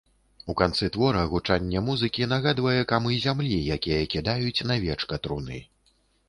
У канцы твора гучанне музыкі нагадвае камы зямлі, якія кідаюць на вечка труны.